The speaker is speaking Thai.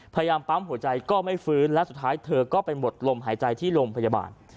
พยายามปั๊มหัวใจก็ไม่ฟื้นและสุดท้ายเธอก็ไปหมดลมหายใจที่โรงพยาบาล